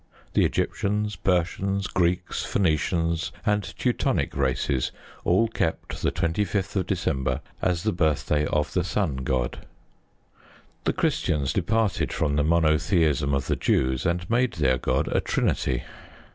The Egyptians, Persians, Greeks, Phoenicians, and Teutonic races all kept the 25th of December as the birthday of the Sun God. The Christians departed from the monotheism of the Jews, and made their God a Trinity.